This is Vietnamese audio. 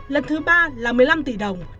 lần thứ ba là một mươi năm tỷ đồng